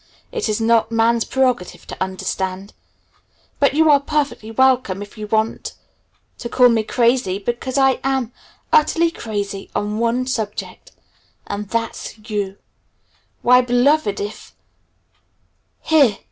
It is not Man's prerogative to understand. But you are perfectly welcome if you want, to call me crazy, because I am utterly crazy on just one subject, and that's you. Why, Beloved, if " "Here!"